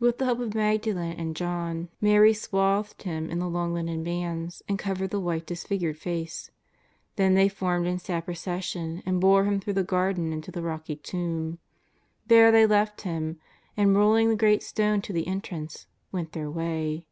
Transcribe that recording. With the help of Magdalen and John, Mary swathed Him in the long linen bands, and covered the white, disfigured face. Then they formed in sad procession and bore Him through the garden into the rocky tomb. There they left Him, and, roll ing the great stone to the entrance, went their way.